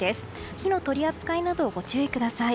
火の取り扱いなどにご注意ください。